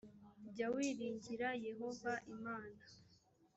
jya wiringira yehova imana